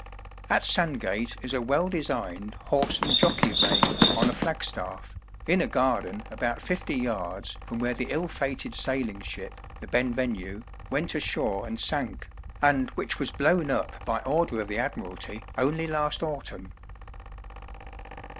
At Sandgate is a well designed "horse and jockey" vane on a flagstaff, in a garden about fifty yards from where the ill fated sailing ship, the Benvenue, went ashore and sank, and which was blown up by order of the Admiralty only last autumn.